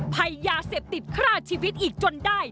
ภัยยาเสพติดฆ่าชีวิตอีกจนได้